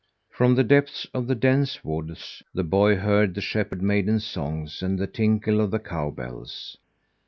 From the depths of the dense woods the boy heard the shepherd maidens' songs and the tinkle of the cow bells.